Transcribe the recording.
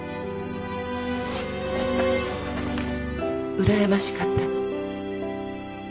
うらやましかったの。